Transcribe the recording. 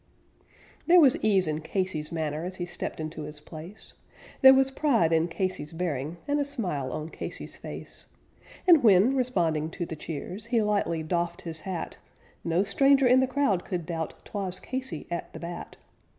There was ease in Casey's manner as he stepped into his place, There was pride in Casey's bearing, and a smile on Casey's face; And when, responding to the cheers, he lightly doffed his hat, No stranger in the crowd could doubt 'twas Casey at the bat.